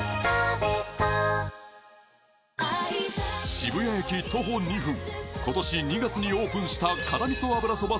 渋谷駅徒歩２分、今年２月にオープンした辛味噌油そば